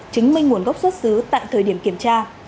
chứng minh nguồn gốc xuất xứ tại thời điểm kiểm tra